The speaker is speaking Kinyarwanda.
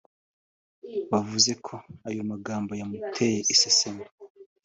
wavuze ko ayo magambo yamuteye iseseme